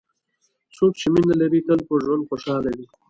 څوک چې مینه لري، تل په ژوند خوشحال وي.